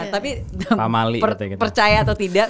tapi percaya atau tidak